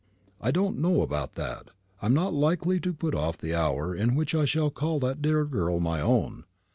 "I don't know about that. I'm not likely to put off the hour in which I shall call that dear girl my own.